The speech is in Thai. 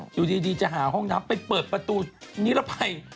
อยู่ดีจะหาห้องน้ำไปเปิดประตูนี้แล้วไป